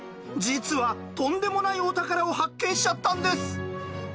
実はとんでもないお宝を発見しちゃったんです！